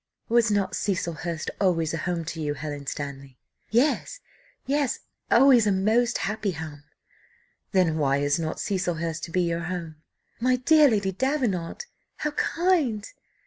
"Was not Cecilhurst always a home to you, Helen Stanley?" "Yes, yes, always a most happy home!" "Then why is not Cecilhurst to be your home?" "My dear Lady Davenant! how kind!